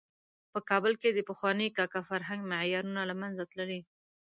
په کابل کې د پخواني کاکه فرهنګ معیارونه له منځه تللي.